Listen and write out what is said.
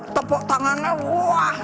tepuk tangannya waaah